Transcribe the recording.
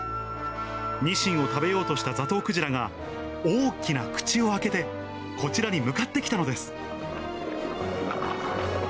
ニシンを食べようとしたザトウクジラが、大きな口を開けて、こちらに向かってきたのです。